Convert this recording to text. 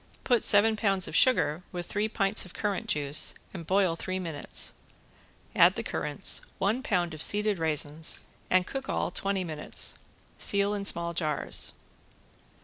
Put seven pounds of sugar with three pints of currant juice and boil three minutes, add the currants, one pound of seeded raisins, and cook all twenty minutes. Seal in small jars.